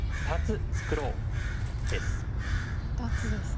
２つですか。